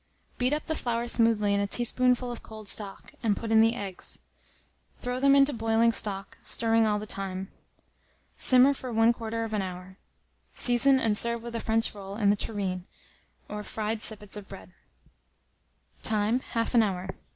Beat up the flour smoothly in a teaspoonful of cold stock, and put in the eggs; throw them into boiling stock, stirring all the time. Simmer for 1/4 of an hour. Season and serve with a French roll in the tureen, or fried sippets of bread. Time. 1/2 an hour.